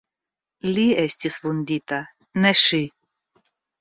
Li estis vundita, ne ŝi.